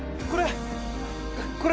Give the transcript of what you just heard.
これ！